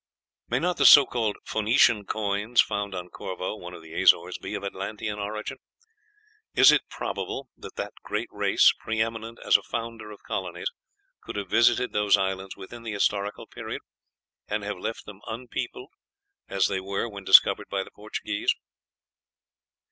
May not the so called "Phoenician coins" found on Corvo, one of the Azores, be of Atlantean origin? Is it probable that that great race, pre eminent as a founder of colonies, could have visited those islands within the Historical Period, and have left them unpeopled, as they were when discovered by the Portuguese?